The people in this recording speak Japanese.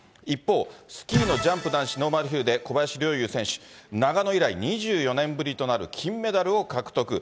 一方、スキーのジャンプ男子ノーマルヒルで、小林陵侑選手、長野以来、２４年ぶりとなる金メダルを獲得。